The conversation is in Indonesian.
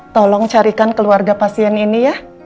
tolong carikan keluarga pasien ini ya